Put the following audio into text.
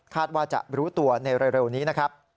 ว่าจะรู้ตัวในเร็วนี้นะครับ